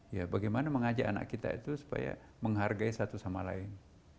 ya bagaimana mengajak anak kita itu supaya menghargai satu sama lain